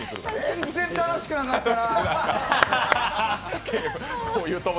全然楽しくなかったな。